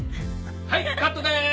はいカットです。